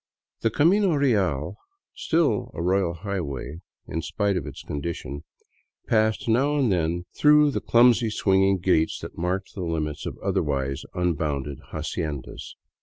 The camino real, still a " royal highway " in spite of its condition, passed now and then through clumsy swinging gates that marked the limits of otherwise unbounded haciendas.